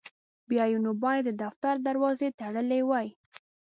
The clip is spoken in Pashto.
بیا یې نو باید د دفتر دروازې تړلي وای.